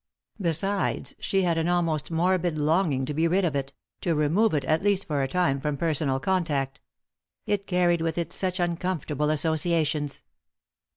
Besides, she had an almost morbid longing to be rid of it; to remove it, at least for a time, from personal contact It carried with it such uncomfortable associations.